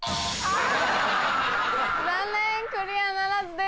残念クリアならずです。